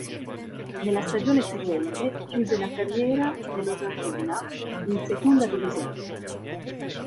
Nella stagione seguente chiuse la carriera nell'Osasuna, in Segunda División.